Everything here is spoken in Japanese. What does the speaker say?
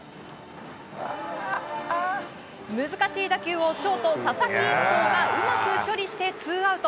難しい打球をショート、佐々木一晃がうまく処理してツーアウト。